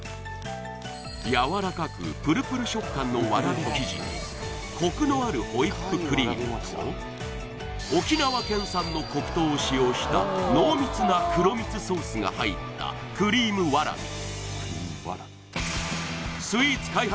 やわらかくプルプル食感のわらび生地にコクのあるホイップクリームと沖縄県産の黒糖を使用した濃密な黒蜜ソースが入ったくりぃむわらびえー！